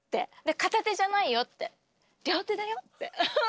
片手じゃないよって両手だよって。